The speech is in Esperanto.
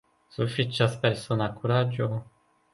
Sufiĉas persona kuraĝo.